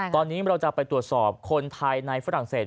ตอนนี้เราจะไปตรวจสอบคนไทยในฝรั่งเศส